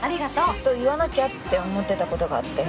ずっと言わなきゃって思ってた事があって。